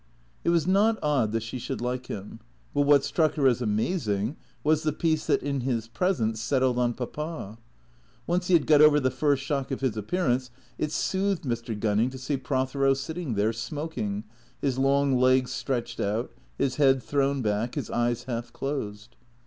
It was not odd that she should like him; but what struck her as amazing was the peace that in his presence settled on Papa. Once he had got over the first shock of his appearance, it soothed Mr. Gunning to see Prothero sitting there, smoking, his long legs stretched out, his head thrown back, his eyes half closed.